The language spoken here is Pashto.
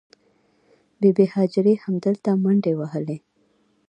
بې بي هاجرې همدلته منډې وهلې.